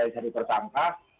kemudian polisi menunggu